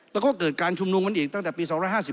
แล้วก็เกิดการชุมนุมกันอีกตั้งแต่ปี๒๕๔